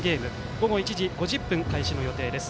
午後１時５０分開始の予定です。